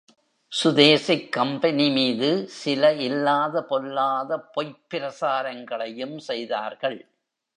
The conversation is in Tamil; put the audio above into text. சுதேசிக் கம்பெனி மீது சில இல்லாத பொல்லாத பொய்ப் பிரச்சாரங்களையும் செய்தார்கள்.